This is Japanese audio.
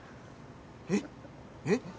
えっえっ？